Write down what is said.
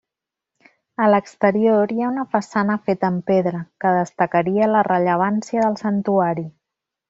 A l'exterior hi ha una façana, feta amb pedra, que destacaria la rellevància del santuari.